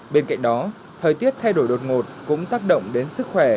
bên cạnh đó thời tiết thay đổi đột ngột cũng tác động đến sức khỏe